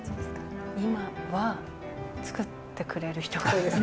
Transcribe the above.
今は作ってくれる人がいいです。